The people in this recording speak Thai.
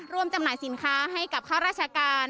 จำหน่ายสินค้าให้กับข้าราชการ